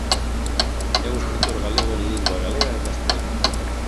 É un escritor galego en lingua galega e castelá.